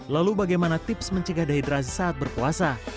lalu bagaimana tips mencegah dehidrasi saat berpuasa